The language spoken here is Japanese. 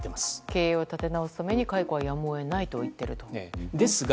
経営を立て直すために解雇はやむを得ないと言っているんですね。